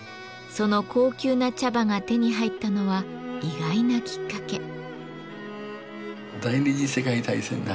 その高級な茶葉が手に入ったのは意外なきっかけ。